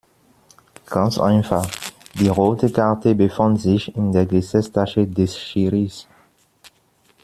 Ganz einfach: Die rote Karte befand sich in der Gesäßtasche des Schiris.